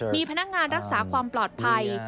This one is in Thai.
มีพนักงานรักษาความปลอดภัย